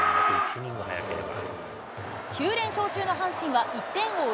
９連勝中の阪神は、１点を追う